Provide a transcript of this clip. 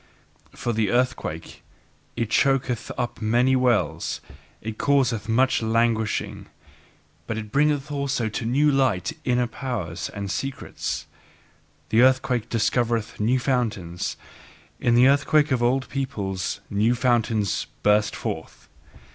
For the earthquake it choketh up many wells, it causeth much languishing: but it bringeth also to light inner powers and secrets. The earthquake discloseth new fountains. In the earthquake of old peoples new fountains burst forth.